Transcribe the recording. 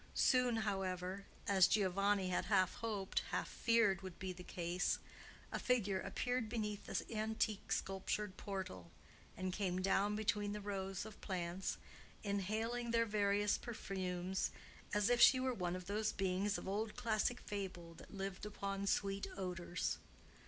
Soon, however,—as Giovanni had half hoped, half feared, would be the case,—a figure appeared beneath the antique sculptured portal, and came down between the rows of plants, inhaling their various perfumes as if she were one of those beings of old classic fable that lived upon sweet odors.